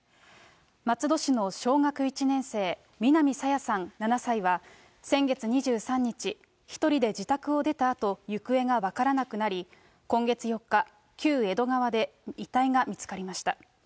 松戸市の小学１年生、南朝芽さん７歳は、先月２３日、１人で自宅を出たあと、行方が分からなくなり、今月４日、旧江戸川で遺体が見つかりました。